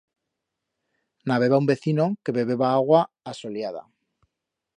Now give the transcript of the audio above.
N'habeba un vecino que bebeba agua asoliada.